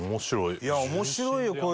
いや面白いよ。